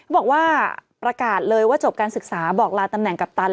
บอกว่าประกาศเลยว่าจบการศึกษาบอกลาตำแหนกัปตัน